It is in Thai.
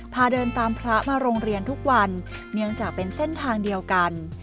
พาเดินตามพระมาโรงเรียนทุกวันเนื่องจากเป็นเส้นทางเดียวกัน